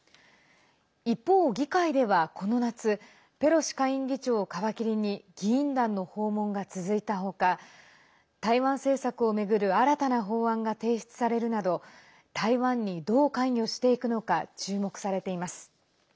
一方、議会では、この夏ペロシ下院議長を皮切りに議員団の訪問が続いた他台湾政策を巡る新たな法案が提出されるなど台湾に、どう関与していくのか注目されています。